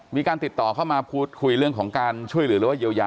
มีการติดต่อเข้ามาพูดคุยเรื่องของการช่วยเหลือหรือว่าเยียวยา